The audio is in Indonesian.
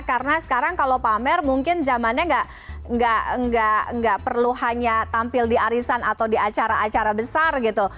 karena sekarang kalau pamer mungkin zamannya nggak perlu hanya tampil di arisan atau di acara acara besar gitu